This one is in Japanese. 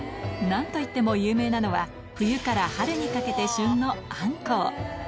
なんといっても有名なのは、冬から春にかけて旬のアンコウ。